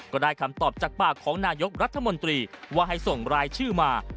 ก็ได้คำตอบจากปากของนายกรัฐมนตรีว่าให้ส่งรายชื่อมา